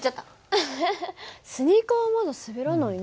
アハハスニーカーはまだ滑らないね。